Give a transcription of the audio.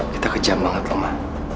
kita kejam banget ma